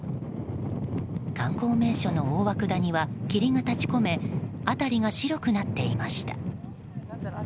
観光名所の大涌谷は霧が立ち込め辺りが白くなっていました。